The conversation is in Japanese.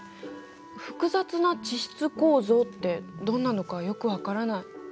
「複雑な地質構造」ってどんなのかよく分からない。